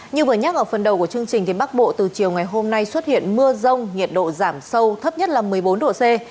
như vừa nhắc ở phần đầu của chương trình bắc bộ từ chiều ngày hôm nay xuất hiện mưa rông nhiệt độ giảm sâu thấp nhất là một mươi bốn độ c